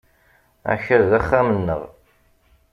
Akal d axxam-nneɣ.